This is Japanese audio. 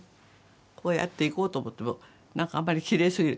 こうやって行こうと思っても何かあんまりきれいすぎる。